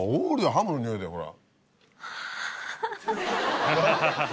ハムの匂いだよほら。